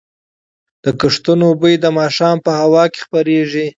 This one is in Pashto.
د کښتونو بوی د ماښام په هوا کې خپرېږي.